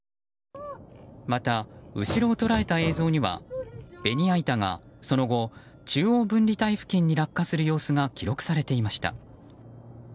また、後ろを捉えた映像にはベニヤ板がその後、中央分離帯付近に落下する様子が記録されていました。